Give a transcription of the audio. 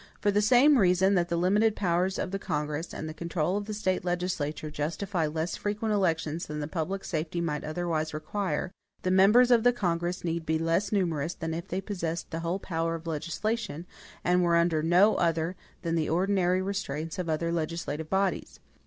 For the same reason that the limited powers of the Congress, and the control of the State legislatures, justify less frequent elections than the public safely might otherwise require, the members of the Congress need be less numerous than if they possessed the whole power of legislation, and were under no other than the ordinary restraints of other legislative bodies.